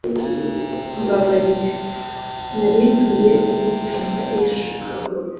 mbabarira. nari nkwiye kubitanga ejo